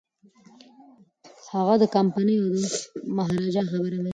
هغه د کمپانۍ او مهاراجا خبره مني.